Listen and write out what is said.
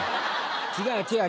違う違う。